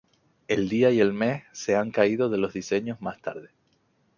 El día y el mes se han caído de los diseños más tarde.